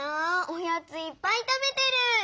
おやついっぱい食べてる！